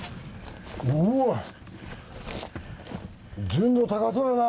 純度高そうやな。